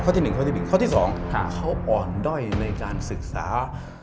ข้อที่หนึ่งข้อที่สองเขาอ่อนด้อยในการศึกษา